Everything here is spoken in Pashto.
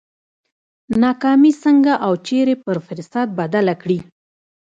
ناکامي څنګه او چېرې پر فرصت بدله کړي؟